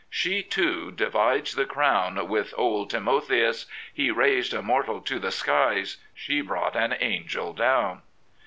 She, too, divides the crown with Old Timotheus "— He raised a mortal to the skies, She brought an angel down.